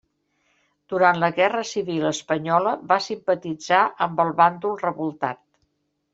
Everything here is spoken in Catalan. Durant la Guerra Civil Espanyola va simpatitzar amb el bàndol revoltat.